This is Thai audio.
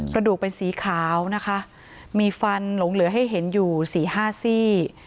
กระดูกเป็นสีขาวนะคะมีฟันหลงเหลือให้เห็นอยู่สี่ห้าซี่